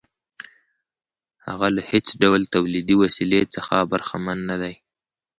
هغه له هېڅ ډول تولیدي وسیلې څخه برخمن نه دی